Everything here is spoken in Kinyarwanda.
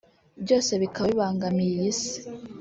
byose bikaba bibangamiye iyi si